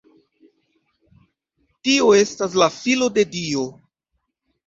Tio estas la Filo de Dio.